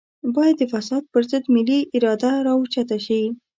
بايد د فساد پر ضد ملي اراده راوچته شي.